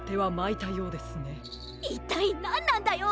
いったいなんなんだよ。